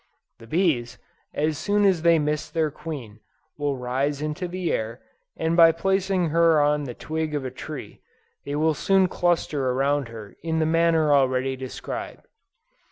The bees, as soon as they miss their queen, will rise into the air, and by placing her on the twig of a tree, they will soon cluster around her in the manner already described.